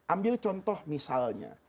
ambil contoh misalnya